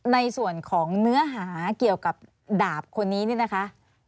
ในส่วนของเนื้อหาเกี่ยวกับดาบคนนี้นี่นะคะ